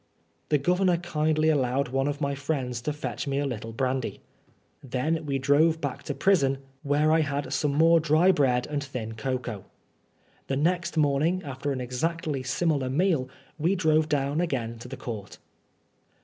The Governor kindly allowed one of my friends to fetch me a little brandy. Then we drove back to prison, where I had 160 PBISONEB FOB BLASPHEMY. some more dry bread and thin cocoa. The next mom ingy after an exactly similar meal, we drove do^vim again to the court.